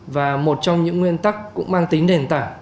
và một trong những nguyên tắc cũng mang tính nền tảng